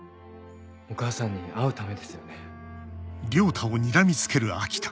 お母さんに会うためですよね？